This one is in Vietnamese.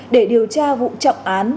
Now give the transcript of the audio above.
để điều tra vụ trọng án